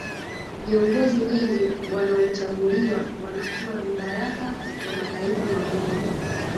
viongozi wengi wanaochaguliwa wanakuwa vibaraka wa mataifa makubwa